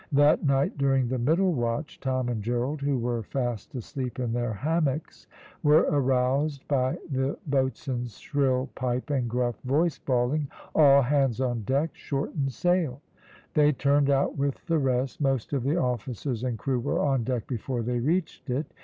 That night during the middle watch Tom and Gerald, who were fast asleep in their hammocks, were aroused by the boatswain's shrill pipe and gruff voice bawling, "All hands on deck shorten sail!" They turned out with the rest; most of the officers and crew were on deck before they reached it.